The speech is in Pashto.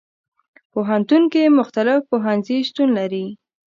پوهنتون کې مختلف پوهنځي شتون لري.